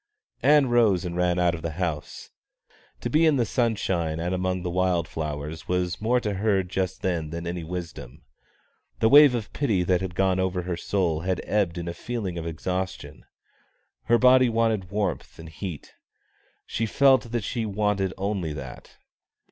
Ann rose and ran out of the house. To be in the sunshine and among the wild sunflowers was more to her just then than any wisdom. The wave of pity that had gone over her soul had ebbed in a feeling of exhaustion. Her body wanted warmth and heat. She felt that she wanted only that.